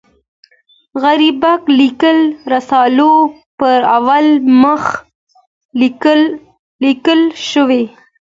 غریبک لیکلي رسالو پر اول مخ لیکل شوي.